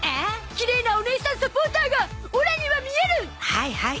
はいはい。